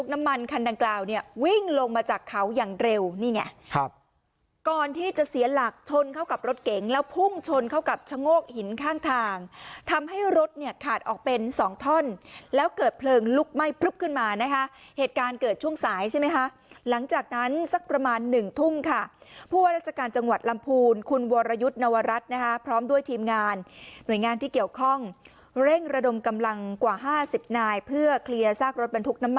น้ำมันคันดังกลาวเนี่ยวิ่งลงมาจากเขาอย่างเร็วนี่ไงครับก่อนที่จะเสียหลักชนเข้ากับรถเก๋งแล้วพุ่งชนเข้ากับชะโงกหินข้างทางทำให้รถเนี่ยขาดออกเป็นสองท่อนแล้วเกิดเผลิงลุกไหม้ปลุ๊บขึ้นมานะคะเหตุการณ์เกิดช่วงสายใช่ไหมฮะหลังจากนั้นสักประมาณหนึ่งทุ่มค่ะผู้วัตรราชการจังหวัด